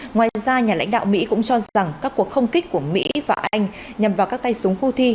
ngoài ra nhà lãnh đạo mỹ cũng cho rằng các cuộc không kích của mỹ và anh nhằm vào các tay súng houthi